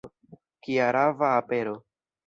Kia rava apero!